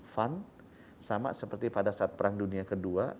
fund sama seperti pada saat perang dunia ke dua